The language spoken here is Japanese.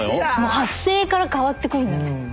発声から変わってくるんじゃない？